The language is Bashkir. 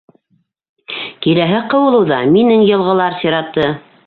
Киләһе ҡыуылыуҙа минең йылғылар сираты.